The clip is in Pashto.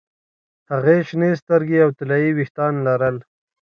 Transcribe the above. هغې شنې سترګې او طلايي ویښتان لرل